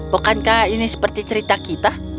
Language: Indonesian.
bukankah ini seperti cerita kita